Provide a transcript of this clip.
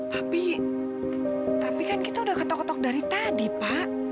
tapi tapi kan kita udah ketok ketok dari tadi pak